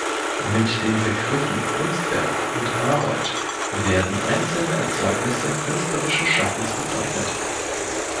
Mit den Begriffen „Kunstwerk“ und „Arbeit“ werden einzelne Erzeugnisse künstlerischen Schaffens bezeichnet.